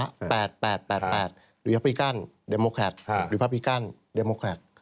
หรือแบบพิการแบบโดโมแครตหรือแบบพิการแบบโดโมแครต